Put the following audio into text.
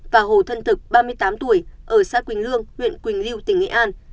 và hồ thân thực ba mươi tám tuổi ở xã quỳnh lương huyện quỳnh lưu tỉnh nghệ an